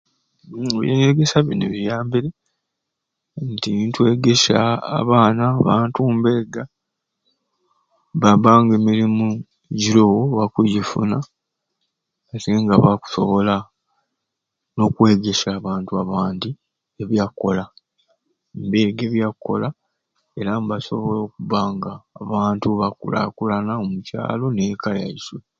Ebyanyegesya bini biyambire nti twegesya abaana abantu mbeega baba nga emirimu jirowo bakujifuna atenga bakusobola nokwegesya ebyakola, beega ebyakola era nibasobola okubanga abantu bakulakulana omukyalo nekka yaiswe.